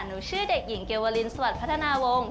หนูชื่อเด็กหญิงเกวลินสวัสดิพัฒนาวงศ์